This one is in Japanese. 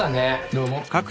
どうも。